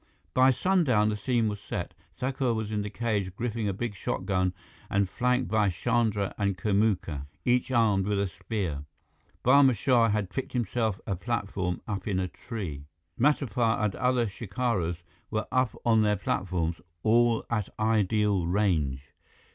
By sundown, the scene was set. Thakur was in the cage, gripping a big shotgun and flanked by Chandra and Kamuka, each armed with a spear. Barma Shah had picked himself a platform up in a tree. Matapar and other shikaris were up on their platforms, all at ideal range.